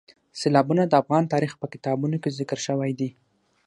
سیلابونه د افغان تاریخ په کتابونو کې ذکر شوی دي.